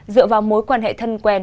dựa vào mối quan hệ thân quen